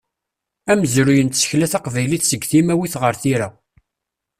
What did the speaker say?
Amezruy n tsekla taqbaylit seg timawit ɣer tira.